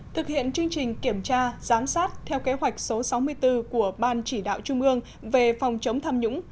thực hiện chương trình kiểm tra giám sát theo kế hoạch số sáu mươi bốn của ban chỉ đạo trung ương về phòng chống tham nhũng